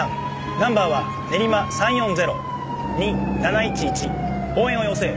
ナンバーは練馬３４０に７１１応援を要請。